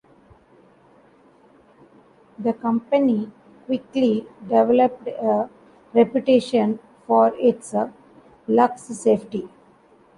The company quickly developed a reputation for its lax safety.